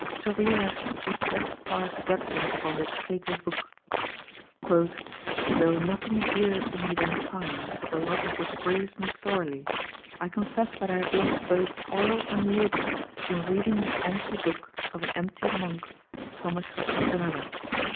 Sorbière has thus passed judgment upon this fatal book: "Though nothing is dearer to me than time, the loss of which grieves me sorely, I confess that I have lost both oil and labour in reading the empty book of an empty monk, Thomas Campanella.